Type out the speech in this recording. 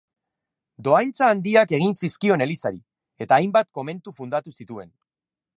Dohaintza handiak egin zizkion Elizari, eta hainbat komentu fundatu zituen.